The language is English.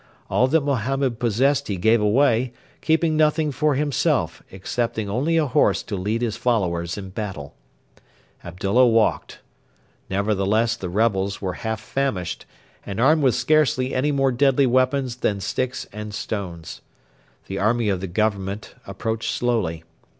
All that Mohammed possessed he gave away, keeping nothing for himself, excepting only a horse to lead his followers in battle. Abdullah walked. Nevertheless the rebels were half famished, and armed with scarcely any more deadly weapons than sticks and stones. The army of the Government approached slowly.